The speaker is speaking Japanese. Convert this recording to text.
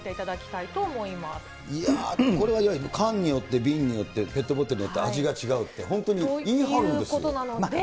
いやー、これは缶によって、瓶によって、ペットボトルによって味が違うって、本当に言い張るそういうことなので。